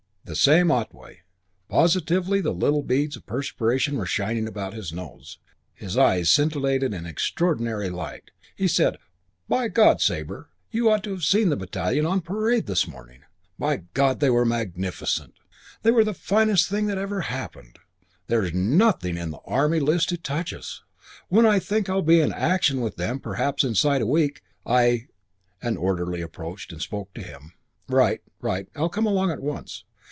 The same Otway! Positively the little beads of perspiration were shining about his nose. His eyes scintillated an extraordinary light. He said, "By God, Sabre, you ought to have seen the battalion on parade this morning! By God, they were magnificent. They're the finest thing that ever happened. There's nothing in the Army List to touch us. When I think I'll be in action with them perhaps inside a week I " An orderly approached and spoke to him. "Right. Right. I'll come along at once."